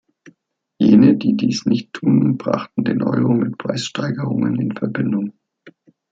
Jene, die dies nicht tun, brachten den Euro mit Preissteigerungen in Verbindung.